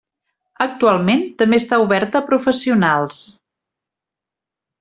Actualment també està oberta a professionals.